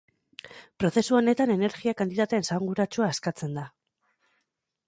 Prozesu honetan energia-kantitate esanguratsua askatzen da.